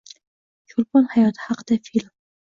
Cho‘lpon hayoti haqida film